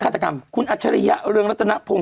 ค่ะครับคุณอัตชัยญะเรืองรัฐนาปรง